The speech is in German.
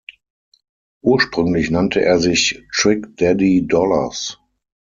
Ursprünglich nannte er sich „Trick Daddy Dollars“.